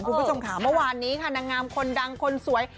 ทุกคนสงขาวเมื่อวานนี้ค่ะนางงามคนดังคนสวย